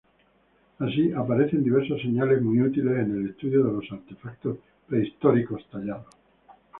Así, aparecen diversas señales muy útiles en el estudio de los artefactos prehistóricos tallados.